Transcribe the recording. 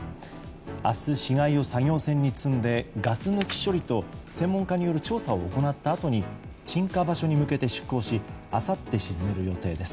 明日、死骸を作業船に積んでガス抜き処理と専門家による調査を行ったあとに沈下場所に向けて出航しあさって沈める予定です。